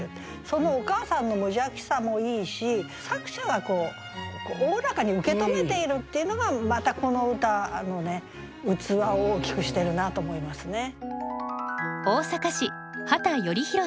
そのお母さんの無邪気さもいいし作者がおおらかに受け止めているっていうのがまたこの歌の器を大きくしてるなと思いますね。